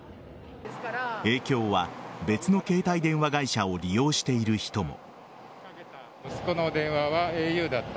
影響は別の携帯電話会社を利用している人も。